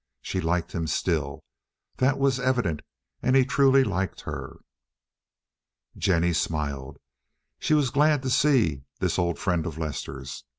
She liked him still—that was evident, and he truly liked her. Jennie smiled. She was glad to see this old friend of Lester's.